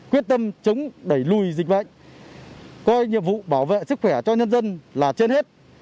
quyết tâm chống đẩy lùi dịch bệnh coi nhiệm vụ bảo vệ sức khỏe cho nhân dân là trên hết